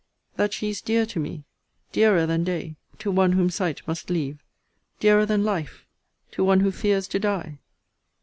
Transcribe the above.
That she is dear to me! Dearer than day, to one whom sight must leave; Dearer than life, to one who fears to die!